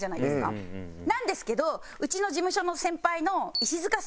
なんですけどうちの事務所の先輩の石塚さん